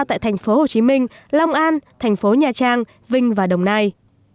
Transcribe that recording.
tại thành phố hồ chí minh long an thành phố nha trang vinh và đồng nai